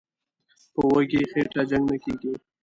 "په وږي خېټه جنګ نه کېږي".